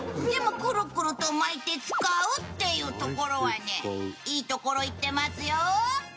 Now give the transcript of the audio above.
でもクルクルと巻いて使うっていうところはねいいところいってますよ！